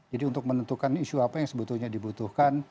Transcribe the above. jadi untuk menentukan isu apa yang sebetulnya dibutuhkan